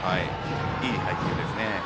いい配球ですね。